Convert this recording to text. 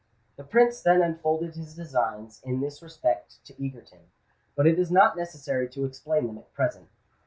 The Prince then unfolded his designs in this respect to Egerton; but it is not necessary to explain them at present.